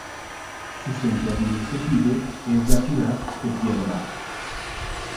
Su centro administrativo es la ciudad de Bjelovar.